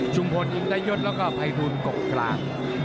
ชุมพลอินไดยศแล้วก็ไพรูนกกกราบ